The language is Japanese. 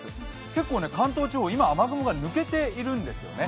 結構関東地方、今、雨雲が抜けているんですね。